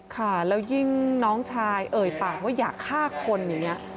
ค่ะแล้วยิ่งน้องชายเอ่ยปากว่าอยากฆ่าคนอย่างนี้